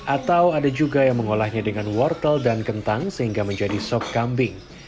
atau ada juga yang mengolahnya dengan wortel dan kentang sehingga menjadi sop kambing